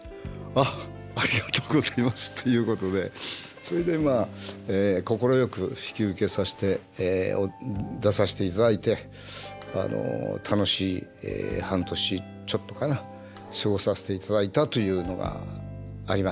「あっありがとうございます」ということでそれでまあ快く引き受けさせて出させていただいてあの楽しい半年ちょっとかな過ごさせていただいたというのがありましたね。